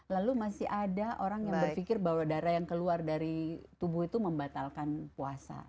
lalu masih ada orang yang berpikir bahwa darah yang keluar dari tubuh itu membatalkan puasa